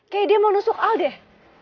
kayak dia mau nusuk al deh